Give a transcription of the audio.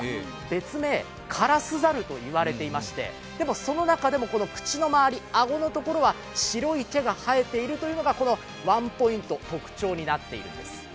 別名カラスザルといわれていましてでも、その中でも口の周り、顎のところは白い毛が生えているのがこのワンポイント、特徴となっているんです。